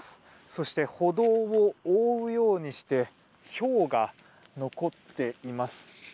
そして、歩道を覆うようにしてひょうが残っています。